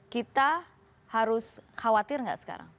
kita harus khawatir nggak sekarang